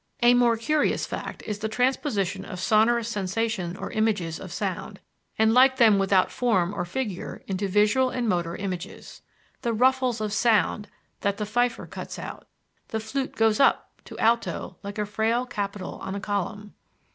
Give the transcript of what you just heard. A more curious fact is the transposition of sonorous sensations or images of sound, and like them without form or figure, into visual and motor images: "The ruffles of sound that the fifer cuts out; the flute goes up to alto like a frail capital on a column."